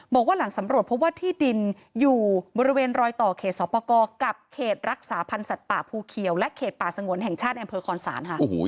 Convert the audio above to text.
บอกว่าหลังสำรวจพบว่าที่ดินอยู่บริเวณรอยต่อเขตสอบประกอบกับเขตรักษาพันธ์สัตว์ป่าภูเขียวและเขตป่าสงวนแห่งชาติในอำเภอคอนศาลค่ะ